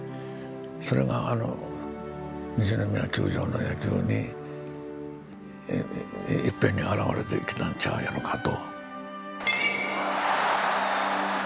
それが西宮球場の野球にいっぺんに現れてきたん違うやろかと。